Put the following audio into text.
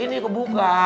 ini kau buka